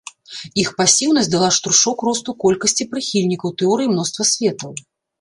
Іх пасіўнасць дала штуршок росту колькасці прыхільнікаў тэорыі мноства светаў.